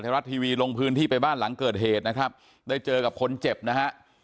รัฐทีวีลงพื้นที่ไปบ้านหลังเกิดเหตุนะครับได้เจอกับคนเจ็บนะฮะ